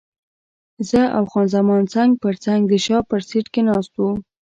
زه او خان زمان څنګ پر څنګ د شا په سیټ کې ناست وو.